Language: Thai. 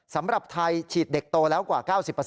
สำหรับไทยฉีดเด็กโตแล้วกว่า๙๐